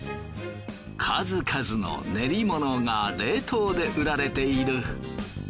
数々の練り物が冷凍で売られている。